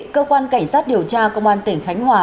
cơ quan cảnh sát điều tra công an tỉnh khánh hòa